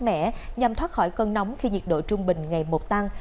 mẻ nhằm thoát khỏi cơn nóng khi nhiệt độ trung bình ngày một tăng